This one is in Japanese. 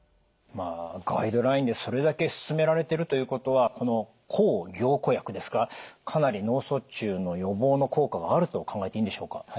まあガイドラインでそれだけ勧められてるということはこの抗凝固薬ですかかなり脳卒中の予防の効果があると考えていいんでしょうか？